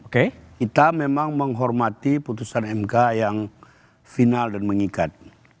kita memang menghormati putusan mk yang final dan mengikat